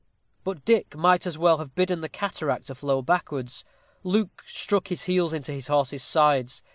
But Dick might as well have bidden the cataract to flow backwards. Luke struck his heels into his horse's sides.